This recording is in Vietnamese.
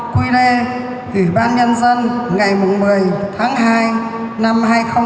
quy lê ủy ban nhân dân ngày một mươi tháng hai năm hai nghìn một mươi bảy